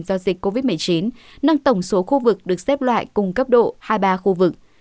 do dịch covid một mươi chín nâng tổng số khu vực được xếp loại cùng cấp độ hai mươi ba khu vực